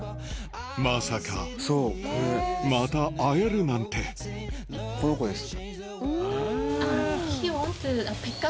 まさかまた会えるなんてこの子です。